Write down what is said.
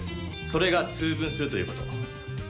それが「通分」するということ。